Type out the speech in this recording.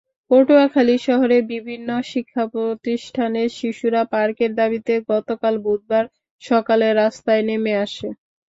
পটুয়াখালী শহরের বিভিন্ন শিক্ষাপ্রতিষ্ঠানের শিশুরা পার্কের দাবিতে গতকাল বুধবার সকালে রাস্তায় নেমে আসে।